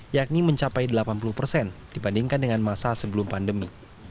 yakni mencapai delapan puluh persen dibandingkan dengan masa sebelum pandemi